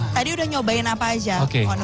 tadi sudah nyobain apa saja pak nur